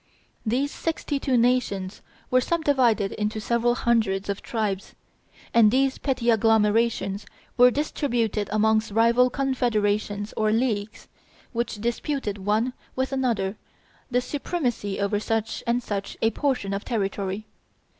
These sixty two nations were subdivided into several hundreds of tribes; and these petty agglomerations were distributed amongst rival confederations or leagues, which disputed one with another the supremacy over such and such a portion of territory.